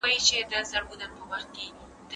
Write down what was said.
وليمه تر درو ورځو پوري اوږدول پکار دي.